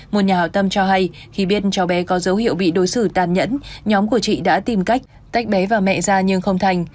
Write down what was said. một nhà hảo tâm cho hay khi biết cháu bé có dấu hiệu bị đối xử tàn nhẫn nhóm của chị đã tìm cách tách bé và mẹ ra nhưng không thành